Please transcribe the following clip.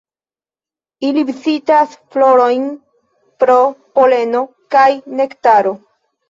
Ili vizitas florojn pro poleno kaj nektaro.